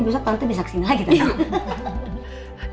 biasanya tante bisa kesini lagi tante